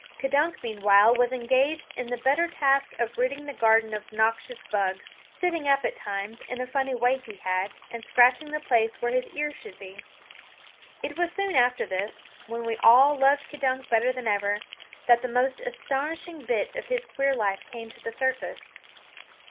K'dunk meanwhile was engaged in the better task of ridding the garden of noxious bugs, sitting up at times, in a funny way he had, and scratching the place where his ear should be. It was soon after this, when we all loved K'dunk better than ever, that the most astonishing bit of his queer life came to the surface.